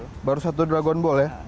harus satu dragon ball ya